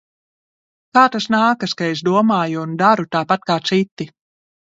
Kā tas nākas, ka es domāju un daru tāpat kā citi?